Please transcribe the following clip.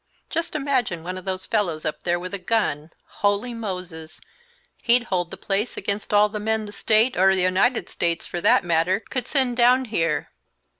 Just imagine one of those fellows up there with a gun! Holy Moses! he'd hold the place against all the men the State, or the United States, for that matter, could send down here!"